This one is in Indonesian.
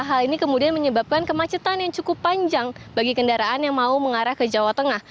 hal ini kemudian menyebabkan kemacetan yang cukup panjang bagi kendaraan yang mau mengarah ke jawa tengah